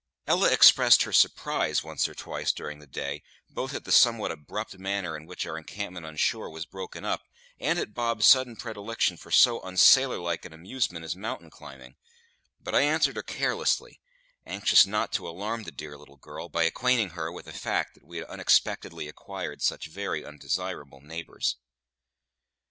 Ella expressed her surprise once or twice during the day, both at the somewhat abrupt manner in which our encampment on shore was broken up, and at Bob's sudden predilection for so unsailorlike an amusement as mountain climbing; but I answered her carelessly, anxious not to alarm the dear little girl by acquainting her with the fact that we had unexpectedly acquired such very undesirable neighbours.